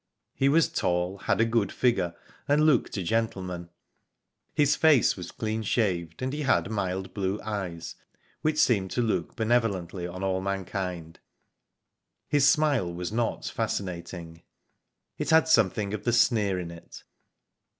He was tall, had a good figure, and looked a gentleman. His face was clean shaved, and he had mild blue eyes, which seemed to look benevolently on all mankind. His smile was not fascinating. It had something of the sneer in it.